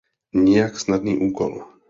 Nijak snadný úkol.